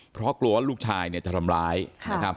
เพราะกลัวว่าลูกชายจะทำร้ายครับ